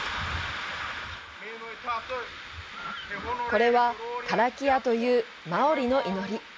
これは「カラキア」というマオリの祈り。